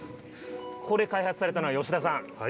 これ、開発されたのは吉田さん。